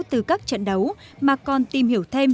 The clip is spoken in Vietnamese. trong các trận đấu mà còn tìm hiểu thêm